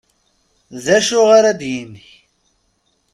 D acu ara d-yini!